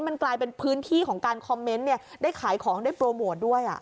มันกลายเป็นพื้นที่ของการคอมเมนต์ได้ขายของได้โปรโมทด้วย